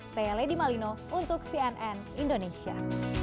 saya lady malino untuk cnn indonesia